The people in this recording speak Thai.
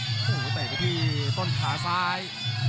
โอ้โหเตะไปที่ต้นขาซ้าย